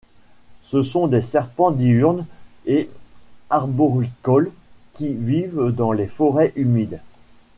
Ce sont des serpents diurnes et arboricoles, qui vivent dans les forêts humides.